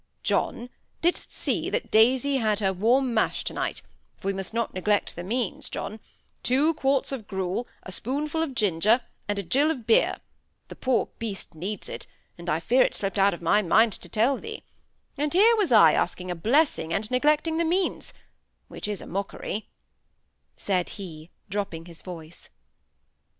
"John, didst see that Daisy had her warm mash to night; for we must not neglect the means, John—two quarts of gruel, a spoonful of ginger, and a gill of beer—the poor beast needs it, and I fear it slipped out of my mind to tell thee; and here was I asking a blessing and neglecting the means, which is a mockery," said he, dropping his voice.